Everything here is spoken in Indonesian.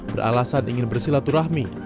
beralasan ingin bersilaturahmi